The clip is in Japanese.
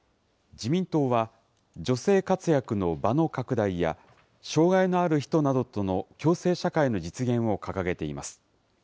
自民党は女性活躍の場の拡大や、障害のある人などとの共生社会の実現を掲げています。